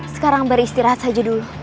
sekarang beristirahat saja dulu